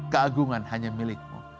kegungan hanya milikmu